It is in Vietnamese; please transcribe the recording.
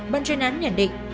ban chuyên án nhận định